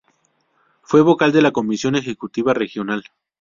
Fue vocal de la Comisión Ejecutiva Regional.